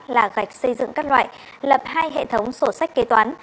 là gạch xây dựng các loại lập hai hệ thống sổ sách kế toán